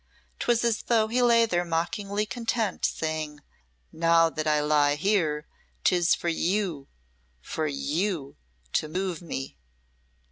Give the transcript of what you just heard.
'Twas as though he lay there mockingly content, saying, "Now that I lie here, 'tis for you for you to move me."